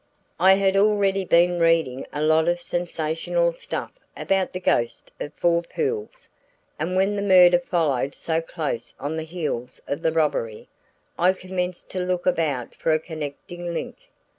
"I had already been reading a lot of sensational stuff about the ghost of Four Pools, and when the murder followed so close on the heels of the robbery, I commenced to look about for a connecting link.